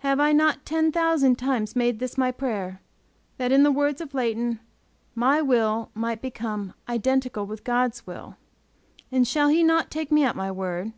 Have I not ten thousand times made this my prayer, that in the words of Leighton, my will might become, "identical with God's will." "And shall He not take me at my word?"